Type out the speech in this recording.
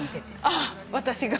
あっ私が？